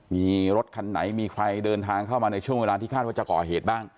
มีรถคันไหนมีใครเดินทางเข้ามาในช่วงเวลาที่คาดว่าจะก่อเหตุบ้าง